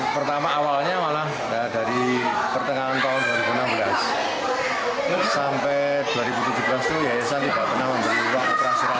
sampai dua ribu tujuh belas itu yayasan tidak pernah memberi uang operasional sama sekali